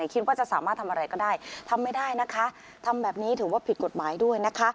คิดว่าจะสามารถทำอะไรก็ได้ทำไม่ได้นะคะทำแบบนี้ถือว่าผิดกฎหมายด้วยนะคะ